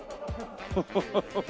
ハハハッ。